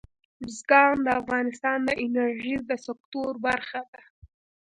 بزګان د افغانستان د انرژۍ د سکتور برخه ده.